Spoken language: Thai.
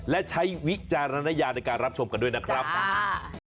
และใช้วิจารณญาในการรับชมกันด้วยนะครับ